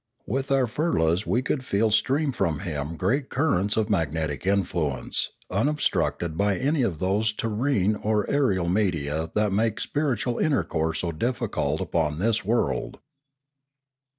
With our firlas we could feel stream from him great currents of magnetic influence, unobstructed by any of those ter rene or aerial media that make spiritual intercourse so difficult upon this world.